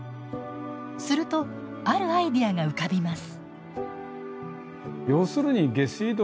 するとあるアイデアが浮かびます。